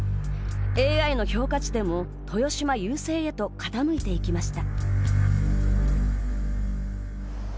ＡＩの評価値でも豊島優勢へと傾いていきました。